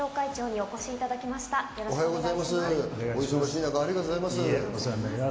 お忙しい中、ありがとうございます。